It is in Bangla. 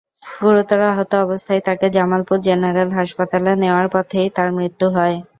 গুরুতর আহত অবস্থায় তাকে জামালপুর জেনারেল হাসপাতালে নেওয়ার পথেই তার মৃত্যু হয়।